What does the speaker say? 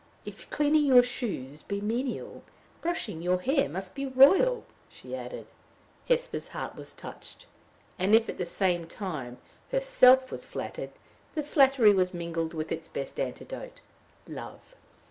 "If cleaning your shoes be menial, brushing your hair must be royal," she added. Hesper's heart was touched; and if at the same time her self was flattered, the flattery was mingled with its best antidote love.